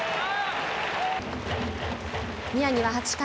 宮城は８回。